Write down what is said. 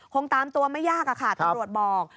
คงตามตัวไม่ยากตำรวจบอก